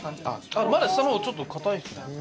あっまだ下の方ちょっと硬いですね。